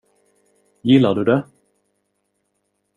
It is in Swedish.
Gillar du det?